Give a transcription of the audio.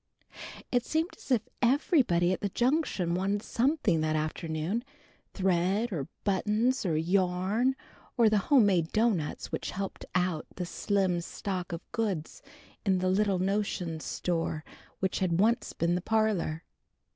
It seemed as if everybody at the Junction wanted something that afternoon; thread or buttons or yarn, or the home made doughnuts which helped out the slim stock of goods in the little notion store which had once been the parlor.